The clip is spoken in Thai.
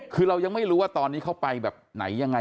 คือเรายังไม่รู้ว่าตอนนี้เขาไปแบบไหนยังไง